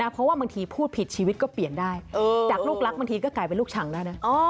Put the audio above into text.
เพราะว่าบางทีพูดผิดชีวิตก็เปลี่ยนได้จากลูกรักบางทีก็กลายเป็นลูกฉังแล้วนะ